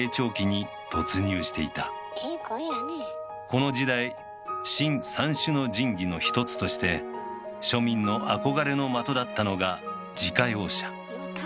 この時代「新・三種の神器」の一つとして庶民の憧れの的だったのが自家用車。